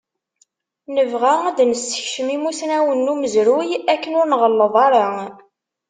Nebɣa ad d-nessekcem imusnawen n umezruy akken ur nɣelleḍ ara.